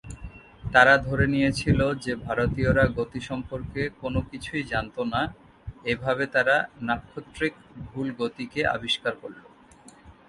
তারা ধরে নিয়েছিল যে ভারতীয়রা গতি সম্পর্কে কোন কিছু জানত না এভাবে তারা নাক্ষত্রিক ভুল গতিকে আবিষ্কার করল।